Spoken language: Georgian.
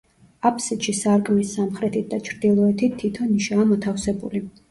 აბსიდში სარკმლის სამხრეთით და ჩრდილოეთით თითო ნიშაა მოთავსებული.